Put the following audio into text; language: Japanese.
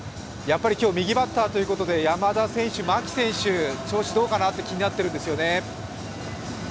今日右バッターということで山田選手、牧選手、調子どうかなって気になってるんですよね。